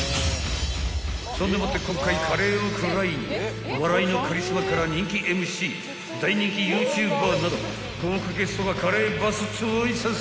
［そんでもって今回カレーを食らいに笑いのカリスマから人気ＭＣ大人気ＹｏｕＴｕｂｅｒなど豪華ゲストがカレーバスツアーに参戦］